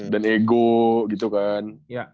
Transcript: dan ego gitu kan